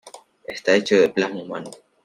Está hecho de plasma humano.